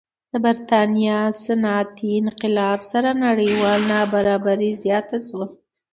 د برېټانیا صنعتي انقلاب سره نړیواله نابرابري زیاته شوه.